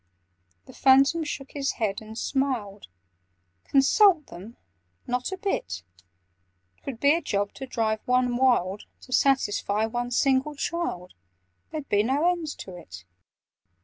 The Phantom shook his head and smiled. "Consult them? Not a bit! 'Twould be a job to drive one wild, To satisfy one single child— There'd be no end to it!"